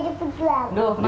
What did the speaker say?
duh mantap kan